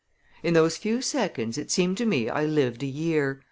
In those few seconds it seemed to me I lived a year.